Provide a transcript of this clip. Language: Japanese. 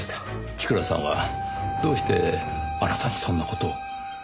千倉さんはどうしてあなたにそんな事を？